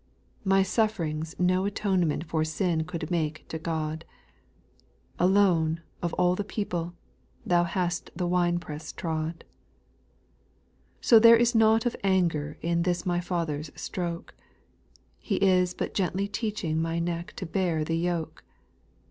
3. My sufferings no atonement For sin could make to God ; Alone, of all the people, Thou hast the winepress trod. 4. So there is nought of anger In this my Father's stroke ; He is but gently teaching My neck to bear the yoke.